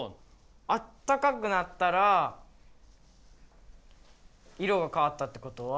あったかくなったら色がかわったってことは。